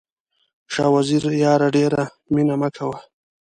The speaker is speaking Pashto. شاه وزیره یاره ډېره مینه مه کوه.